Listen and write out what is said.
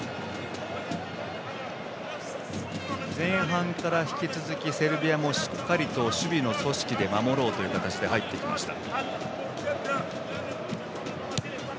前半から引き続きセルビアもしっかりと守備の組織で守ろうという形で入っていきました。